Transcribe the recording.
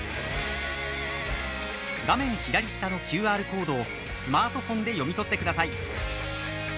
画面左下のＱＲコードをスマートフォンで読み取ってくたさい。